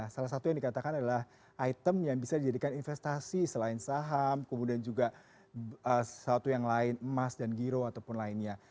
salah satu yang dikatakan adalah item yang bisa dijadikan investasi selain saham kemudian juga satu yang lain emas dan giro ataupun lainnya